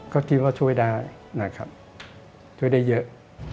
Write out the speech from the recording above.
ก็คิดว่าช่วยได้นะครับช่วยได้เยอะ